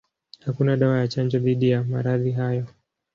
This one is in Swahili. Hakuna dawa ya chanjo dhidi ya maradhi hayo.